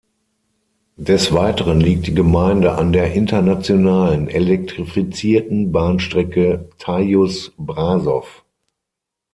Des Weiteren liegt die Gemeinde an der internationalen, elektrifizierten Bahnstrecke Teiuș–Brașov.